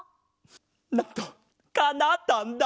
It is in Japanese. なんとかなったんだ。